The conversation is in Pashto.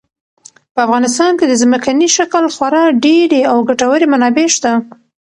په افغانستان کې د ځمکني شکل خورا ډېرې او ګټورې منابع شته.